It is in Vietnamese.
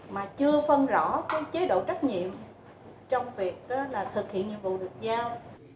mà chưa phân rõ cái chế độ trách nhiệm trong việc là thực hiện nhiệm vụ được giao